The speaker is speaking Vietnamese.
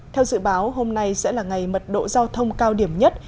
theo dự báo hôm nay sẽ là ngày mật độ giao thông cao điểm nhất